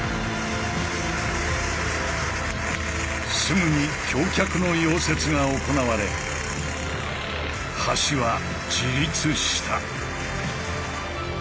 すぐに橋脚の溶接が行われ橋は自立した。